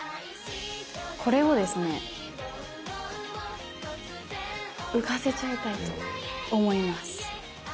これをですね浮かせちゃいたいと思います。